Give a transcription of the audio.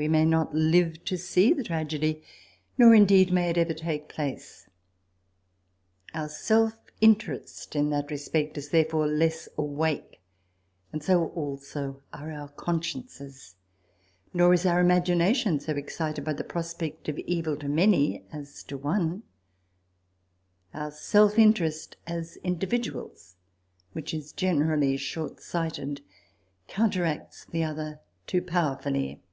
We may not live to see the tragedy, nor indeed may it ever take place. Our self interest, in that respect, is therefore less awake, and so also are our consciences ; nor is our imagination so excited by the prospect of evil to many as to one. Our self interest, as individuals, which is generally shortsighted, coun teracts the other too powerfully.